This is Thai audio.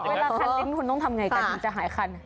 เวลาคันลิ้นคุณต้องทำไงกันคุณจะหายคัน